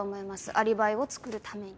アリバイをつくるために。